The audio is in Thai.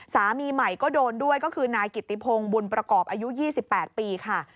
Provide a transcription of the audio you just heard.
สามีใหม่ก็โดนด้วยก็คือนายกิติพงศ์บุญประกอบอายุ๒๘ปีค่ะ